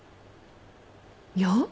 いや？